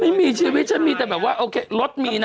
ไม่มีชีวิตฉันมีแต่แบบว่าโอเครถมีนะ